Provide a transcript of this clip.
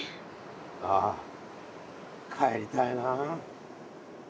ああ帰りたいなあ。